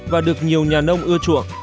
và được nhiều nhà nông ưa chuộng